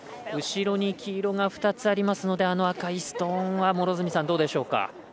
後ろに黄色が２つありますのであの赤いストーンは両角さん、どうでしょうか？